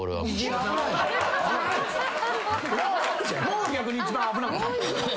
もう逆に一番危なくない。